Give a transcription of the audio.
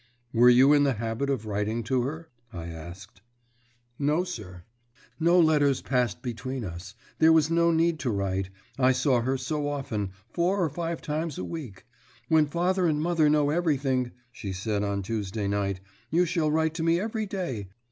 "Were you in the habit of writing to her?" I asked. "No, sir. No letters passed between us; there was no need to write, I saw her so often four or five times a week. 'When father and mother know everything,' she said on Tuesday night, 'you shall write to me every day.'